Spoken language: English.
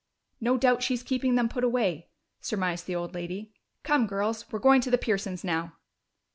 "No doubt she's keeping them put away," surmised the old lady. "Come, girls! We're going to the Pearsons' now."